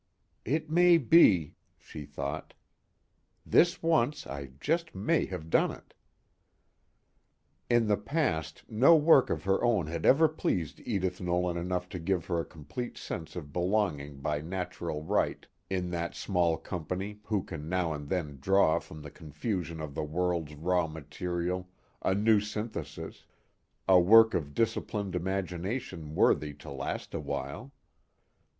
It may be, she thought. This once I just may have done it. In the past, no work of her own had ever pleased Edith Nolan enough to give her a complete sense of belonging by natural right in that small company who can now and then draw from the confusion of the world's raw material a new synthesis, a work of disciplined imagination worthy to last a while.